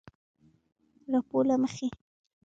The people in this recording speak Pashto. راپورله مخې